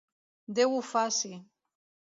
Déu ho faci!